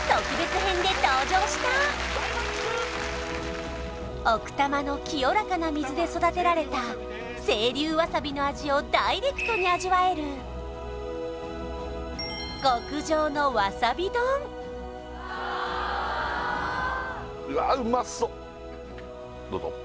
特別編で登場した奥多摩の清らかな水で育てられた清流わさびの味をダイレクトに味わえる極上のわさび丼うわうまそう！